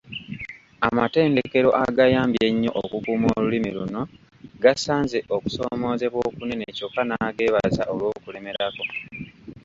Amatendekero agayambye ennyo okukuuma olulimi luno, gasanze okusoomoozebwa okunene kyokka n’ageebaza olw’okulemerako.